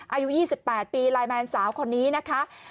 อายุ๒๘ปีไลน์แมนสาวคนนี้นะคะ